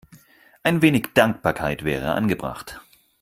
Ein wenig Dankbarkeit wäre angebracht.